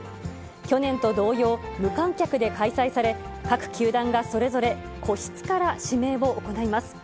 去年と同様、無観客で開催され、各球団がそれぞれ、個室から指名を行います。